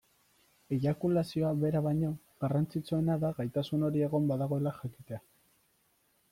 Eiakulazioa bera baino, garrantzitsuena da gaitasun hori egon badagoela jakitea.